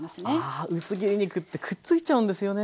あ薄切り肉ってくっついちゃうんですよね。